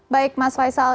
baik mas faisal